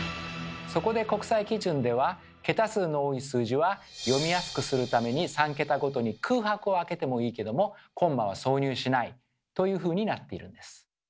そこで国際基準では「桁数の多い数字は読みやすくするために３桁ごとに空白を空けてもいいけどもコンマは挿入しない」というふうになっているんです。